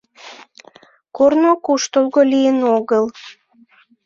Корно куштылго лийын огыл!